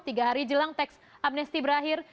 tiga hari jelang teks amnesti berakhir